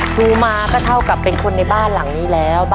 ครูมาก็เท่ากับเป็นคนในบ้านหลังนี้แล้ว